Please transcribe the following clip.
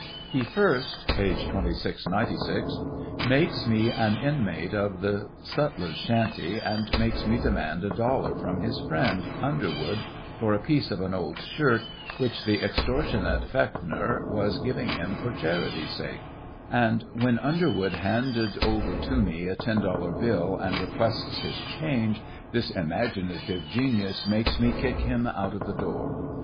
He first (p. 2696) makes me an inmate of the sutler's shanty, and makes me demand a dollar from his friend, Underwood, for a piece of an old shirt, which the extortionate Fechnor was giving him for charity's sake; and when Under wood handed over to me a $10 hill and requests his change, this imaginative genius makes me kick him out of the door.